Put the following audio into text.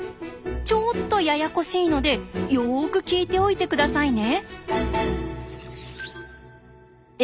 ちょっとややこしいのでよく聞いておいて下さいね。